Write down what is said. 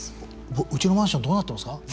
うちのマンションどうなってますか？